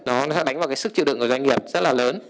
nó đánh vào cái sức chịu đựng của doanh nghiệp rất là lớn